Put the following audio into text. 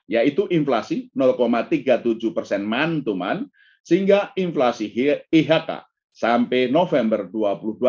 yaitu inflasi tiga puluh tujuh persen month to month sehingga inflasi ihk sampai november dua ribu dua puluh satu mencatat satu tiga puluh persen year to year